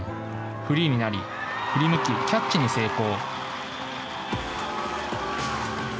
フリーになり振り向き、キャッチに成功。